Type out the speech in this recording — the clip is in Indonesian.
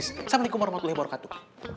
assalamualaikum warahmatullahi wabarakatuh